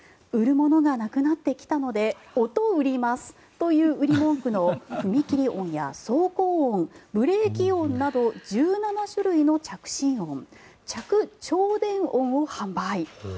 「売るものがなくなってきたので音売ります」という売り文句の踏切音や走行音ブレーキ音など１７種類の着信音着銚電音を販売。